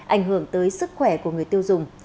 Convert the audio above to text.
ảnh hưởng tới sức khỏe của người tiêu dùng